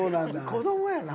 子供やな。